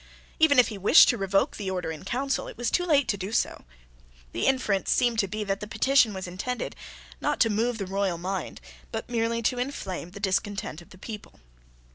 Even if he wished to revoke the Order in Council, it was too late to do so. The inference seemed to be that the petition was intended, not to move the royal mind, but merely to inflame the discontents of the people.